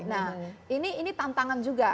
nah ini tantangan juga